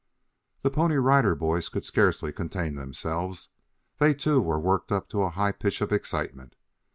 The Pony Rider Boys could scarcely contain themselves. They, too, were worked up to a high pitch of excitement.